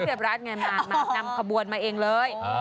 เรียบร้านการมานำขบวนมาเองเลย